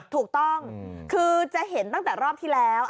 ถูกต้องคือจะเห็นตั้งแต่รอบที่แล้ว